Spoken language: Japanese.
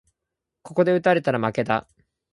ここで打たれたら負けだ